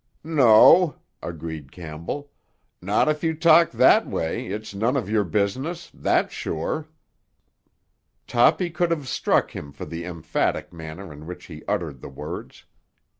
"No," agreed Campbell; "not if you talk that way, it's none of your business; that's sure." Toppy could have struck him for the emphatic manner in which he uttered the words.